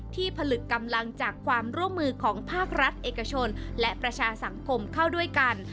ผลึกกำลังจากความร่วมมือของภาครัฐเอกชนและประชาสังคมเข้าด้วยกัน